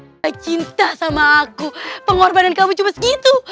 kau tidak cinta sama aku pengorbanan kamu cuma segitu